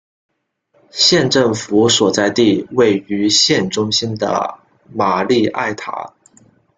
县政府所在地位于县中心的玛丽埃塔。